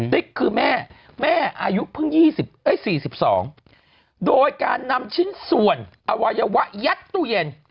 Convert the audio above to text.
ติ๊กคือแม่แม่อายุเพิ่ง๔๒โดยการนำชิ้นส่วนอวัยวะยัดตู้เย็น